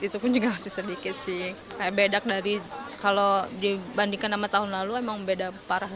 itu pun juga masih sedikit sih beda dari kalau dibandingkan sama tahun lalu emang beda parah